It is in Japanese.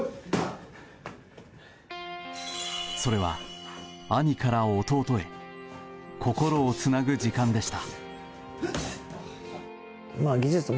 それは兄から弟へ心をつなぐ時間でした。